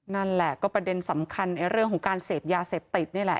นั่นแหละก็ประเด็นสำคัญในเรื่องของการเสพยาเสพติดนี่แหละ